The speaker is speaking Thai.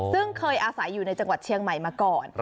ซึ่งเคยอาศัยอยู่ในจังหวัดเชียงใหม่มาก่อน